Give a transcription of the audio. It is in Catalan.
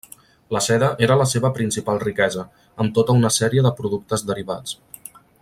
La seda era la seva principal riquesa, amb tota una sèrie de productes derivats.